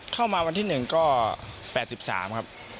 เข้ามาวันที่๑ก็๘๓ครับ